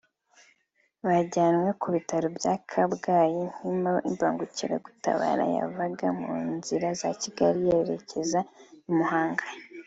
bajyanywe ku bitaro bya Kabgayi n’imbangukiragutabara yavaga mu nzira za Kigali yerekeza i Muhanga